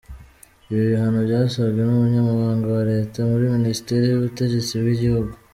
Ibi bihano byasabwe n’Umunyamabanga wa Leta muri Minisiteri y’ubutegetsi bw’igihugu,